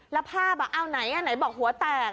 แล้วภาพเอาไหนไหนบอกหัวแตก